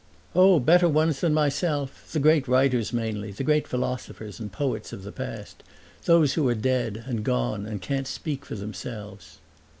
"Oh, better ones than myself: the great writers mainly the great philosophers and poets of the past; those who are dead and gone and can't speak for themselves."